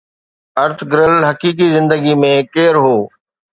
Ertugrul حقيقي زندگي ۾ ڪير هو؟